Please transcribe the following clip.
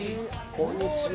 こんにちは。